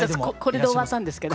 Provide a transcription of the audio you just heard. これで終わったんですけど。